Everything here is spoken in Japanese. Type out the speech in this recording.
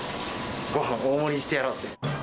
ごはん大盛りにしてやろうって。